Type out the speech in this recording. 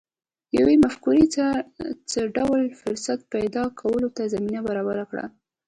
يوې مفکورې څه ډول فرصت پيدا کولو ته زمينه برابره کړه؟